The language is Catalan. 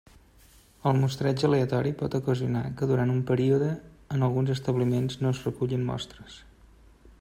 El mostreig aleatori pot ocasionar que, durant un període, en alguns establiments no es recullin mostres.